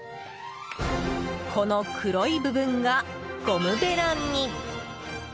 この黒い部分がゴムべらに！